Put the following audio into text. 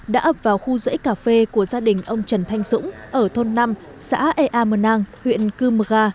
đã ập vào khu rễ cà phê của gia đình ông trần thanh dũng ở thôn năm xã ea mờ nang huyện cưm gà